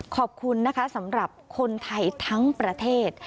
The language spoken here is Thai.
ขอบคุณนะคะสำหรับคนไทยทั้งประเทศ